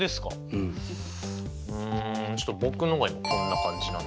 うんちょっと僕のがこんな感じなんですけど。